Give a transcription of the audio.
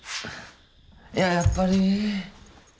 いややっぱり。